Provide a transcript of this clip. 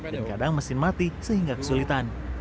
dan kadang mesin mati sehingga kesulitan